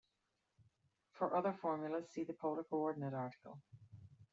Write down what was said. For other formulas, see the polar coordinate article.